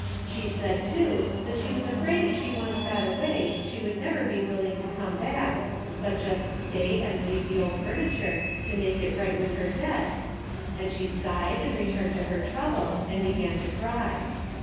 She said, too, that she was afraid if she once got away she would never be willing to come back, but just stay and leave the old furniture to make it right with her debts, and she sighed and returned to her trouble and began to cry.